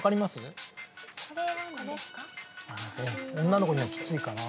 女の子にはきついかな。